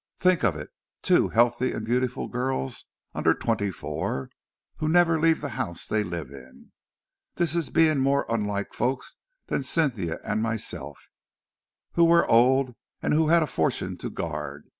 Think of it! two healthy and beautiful girls under twenty four who never leave the house they live in! That is being more unlike folks than Cynthia and myself, who were old and who had a fortune to guard.